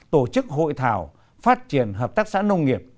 tổ chức hội thảo phát triển hợp tác xã nông nghiệp